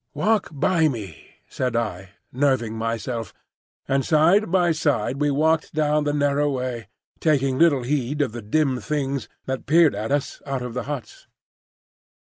"Walk by me," said I, nerving myself; and side by side we walked down the narrow way, taking little heed of the dim Things that peered at us out of the huts.